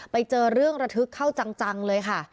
ไปเจอเรื่องระทึกเข้าจังเลยค่ะ